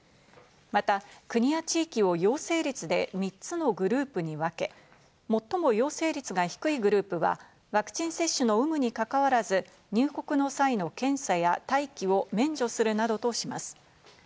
また国や地域を陽性率で３つのグループに分け、最も陽性率が低いグループはワクチン接種の有無にかかわらず、入国の際の検査や待機を免除するなどとします。